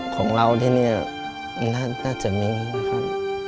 ของเราที่นี่น่าจะมีนะครับ